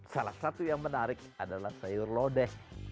salah satu yang menarik adalah sayur lodeh